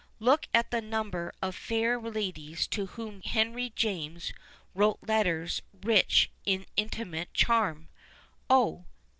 Look at the number of fair ladies to whom Henry James wrote letters rich in inti mate charm (oh